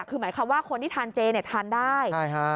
คือหมายความว่าคนที่ทานเจเนี่ยทานได้